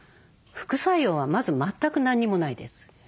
副作用はまず全く何もないです。